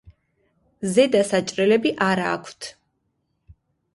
ზედა საჭრელები არა აქვთ.